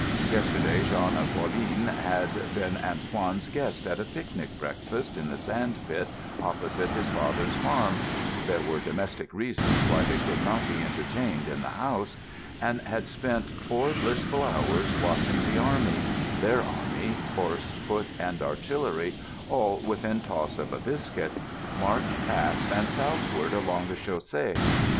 Yesterday Jean and Pauline had been Antoine's guests at a picnic breakfast in the sand pit opposite his father's farm (there were domestic reasons why they could not be entertained in the house), and had spent four blissful hours watching the army—their army, horse, foot, and artillery, all within toss of a biscuit—march past and southward along the chaussée.